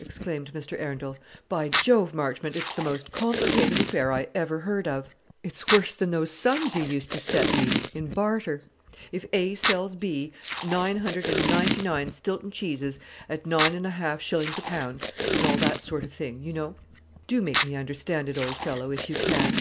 exclaimed Mr. Arundel. "By Jove, Marchmont, it's the most complicated affair I ever heard of. It's worse than those sums you used to set me in barter: 'If A. sells B. 999 Stilton cheeses at 9 1/2_d_ a pound,' and all that sort of thing, you know. Do make me understand it, old fellow, if you can."